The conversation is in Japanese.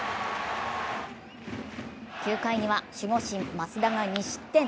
９回には守護神・益田が２失点。